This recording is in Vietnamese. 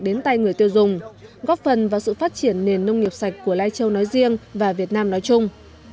đến tay người tiêu dùng góp phần vào sự phát triển nền nông nghiệp sạch của lai châu nói riêng và việt nam nói chung